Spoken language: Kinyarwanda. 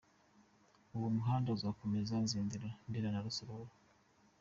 Uwo muhanda uzakomeza Zindiro, Ndera na Rusororo.